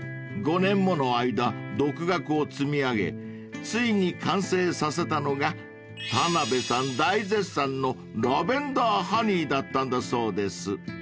［５年もの間独学を積み上げついに完成させたのが田辺さん大絶賛のラベンダーハニーだったんだそうです］